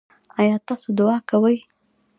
ایا تاسو دعا کوئ؟